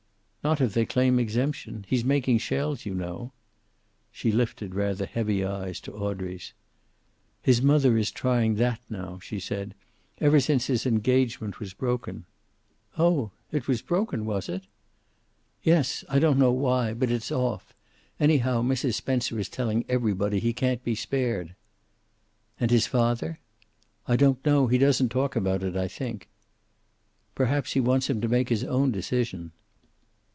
"Not if they claim exemption. He's making shells, you know." She lifted rather heavy eyes to Audrey's. "His mother is trying that now," she said. "Ever since his engagement was broken?" "Oh, it was broken, was it?" "Yes. I don't know why. But it's off. Anyhow Mrs. Spencer is telling everybody he can't be spared." "And his father?" "I don't know. He doesn't talk about it, I think." "Perhaps he wants him to make his own decision."